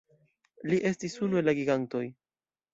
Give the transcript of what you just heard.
Li estis unu el la gigantoj.